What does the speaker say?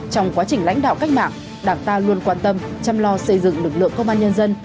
trong quá trình lãnh đạo cách mạng đảng ta luôn quan tâm chăm lo xây dựng lực lượng công an nhân dân